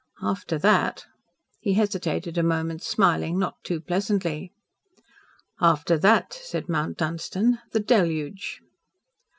After that " he hesitated a moment, smiling not too pleasantly. "After that," said Mount Dunstan, "the Deluge."